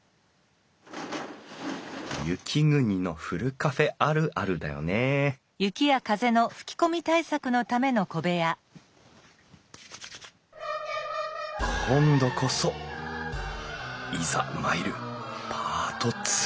雪国のふるカフェあるあるだよね今度こそいざ参るパート２！